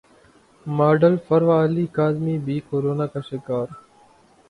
model Farwa Ali Kazmi بھی corona کا شکار